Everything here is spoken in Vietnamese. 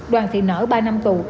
đoàn thị nở ba năm tù